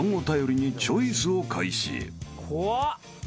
怖っ。